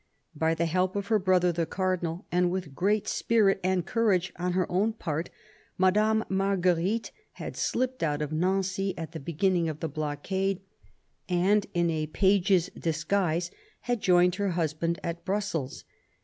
By the help of her brother the Cardinal, and with great spirit and courage on her own part, Madame Marguerite had slipped out of Nancy at the beginning of the blockade, and in a page's disguise had joined her husband at Brussels.